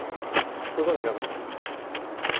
ご存じなかった？